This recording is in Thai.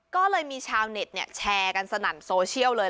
ก็เลยมีชาวเน็ตแชร์กันสนั่นโซเชียลเลย